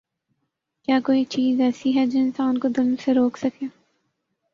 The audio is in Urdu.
کیا کوئی چیز ایسی ہے جو انسان کو ظلم سے روک سکے؟